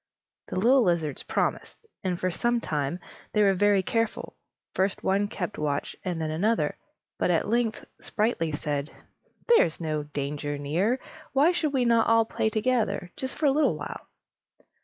The little lizards promised; and for some time they were very careful; first one kept watch, and then another; but at length Sprightly said: "There is no danger near. Why should we not all play together, just for a little while?"